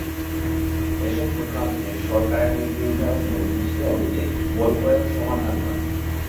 এসব ঘটনা থেকে সরকারের নীতিনির্ধারকদের বুঝতে হবে যে বলপ্রয়োগ সমাধান নয়।